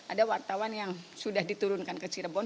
ada wartawan yang sudah diturunkan ke cirebon